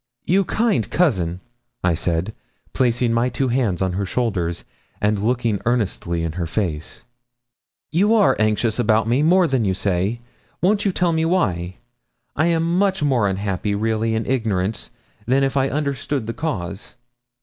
'You kind cousin!' I said, placing my two hands on her shoulders, and looking earnestly in her face; 'you are anxious about me, more than you say. Won't you tell me why? I am much more unhappy, really, in ignorance, than if I understood the cause.'